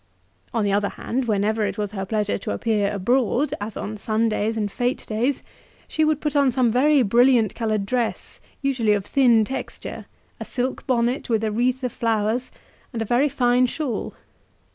On the other hand, whenever it was her pleasure to appear abroad, as on Sundays and fete days, she would put on some very brilliant coloured dress, usually of thin texture, a silk bonnet with a wreath of flowers, and a very fine shawl.